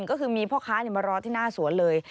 ก็คือมีพ่อค้ามารอที่หน้าสวนเลย